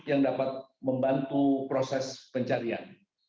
yang dapat membantu proses pencarian